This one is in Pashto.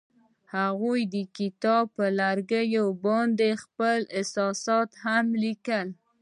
هغوی د کتاب پر لرګي باندې خپل احساسات هم لیکل.